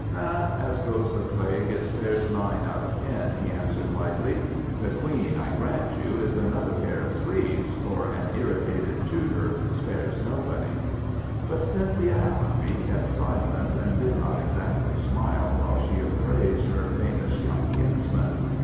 "Eh, as goes the Plague, it spares nine out of ten," he answered, lightly. "The Queen, I grant you, is another pair of sleeves, for an irritated Tudor spares nobody." But Cynthia Allonby kept silence, and did not exactly smile, while she appraised her famous young kinsman.